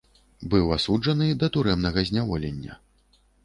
Быў асуджаны да турэмнага зняволення.